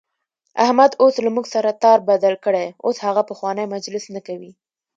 احمد اوس له موږ سره تار بدل کړی، اوس هغه پخوانی مجلس نه کوي.